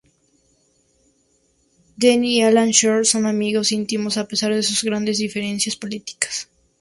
Denny y Alan Shore son amigos íntimos, a pesar de sus grandes diferencias políticas.